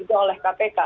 itu oleh kpk